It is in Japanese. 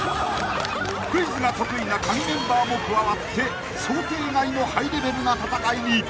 ［クイズが得意なカギメンバーも加わって想定外のハイレベルな戦いに］